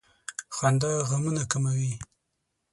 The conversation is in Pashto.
• خندا غمونه کموي.